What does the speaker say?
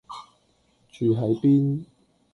住喺邊